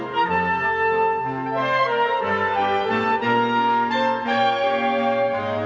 สวัสดีครับสวัสดีครับ